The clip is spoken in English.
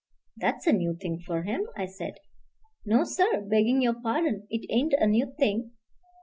"That's a new thing for him," I said. "No, sir, begging your pardon, it ain't a new thing.